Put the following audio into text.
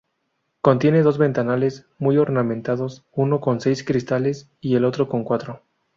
Contiene dos ventanales muy ornamentados, uno con seis cristales y el otro con cuatro.